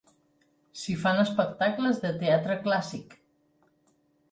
S'hi fan espectacles de teatre clàssic.